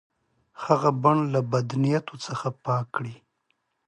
هغه بڼ له بد نیتو څخه پاک کړي.